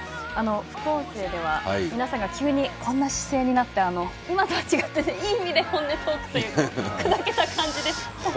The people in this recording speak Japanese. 副音声では皆さんが急にこんな姿勢になって今とは違って、いい意味で本音トークというかくだけた感じでしたが。